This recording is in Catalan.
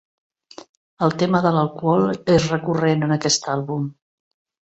El tema de l'alcohol és recurrent en aquest àlbum.